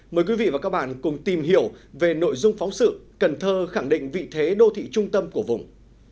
mời quý vị và các bạn cùng tìm hiểu về nội dung phóng sự cần thơ khẳng định vị thế đô thị trung tâm của vùng